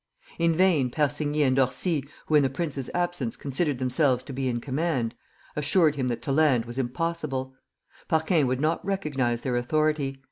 In vain Persigny and Orsi, who in the prince's absence considered themselves to be in command, assured him that to land was impossible; Parquin would not recognize their authority.